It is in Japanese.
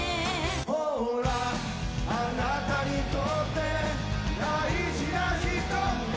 「ほらあなたにとって大事な人ほど」